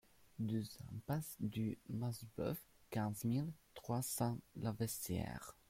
deux impasse du Masseboeuf, quinze mille trois cents Laveissière